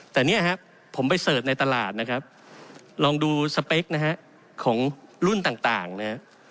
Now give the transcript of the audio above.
แต่เนี่ยครับผมไปเสิร์ชในตลาดนะครับลองดูสเปคนะฮะของรุ่นต่างนะฮะ